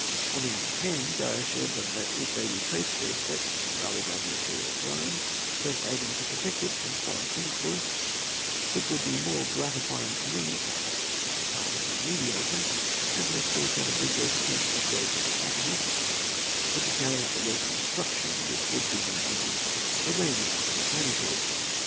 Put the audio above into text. On the other hand, I assured them that, if they retraced their steps and rallied round the imperial throne, thus aiding to protect it from foreign influence, it would be more gratifying to me to act the part of a mediator, and to restore Pernambuco to peace, prosperity, and happiness, than to carry out the work of destruction which would be my only remaining alternative.